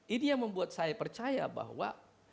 ini yang membuat saya percaya bahwa